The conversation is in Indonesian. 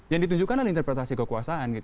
yang ditujukan adalah interpretasi kekuasaan